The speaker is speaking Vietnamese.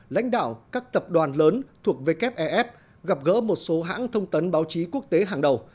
lãnh đạo các tập đoàn lớn thuộc wef gặp gỡ một số hãng thông tấn báo chí quốc tế hàng đầu